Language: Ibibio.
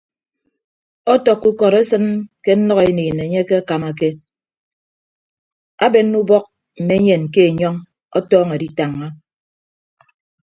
Ọtọkkọ ukọd esịn ke nnʌkeniin enye akekamake abenne ubọk mme enyen ke enyọñ ọtọọñọ editañña.